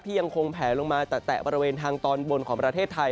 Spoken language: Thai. ยังคงแผลลงมาแตะบริเวณทางตอนบนของประเทศไทย